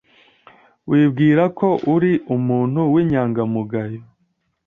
Wibwira ko uri umuntu w'inyangamugayo?